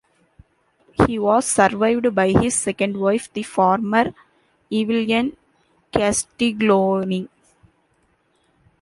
He was survived by his second wife, the former Evelyn Castiglioni.